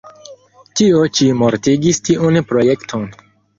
Tio ĉi mortigis tiun projekton.